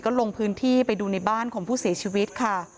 ก็ลงพื้นที่ไปดูในบ้านของผู้เสียชีวิตค่ะ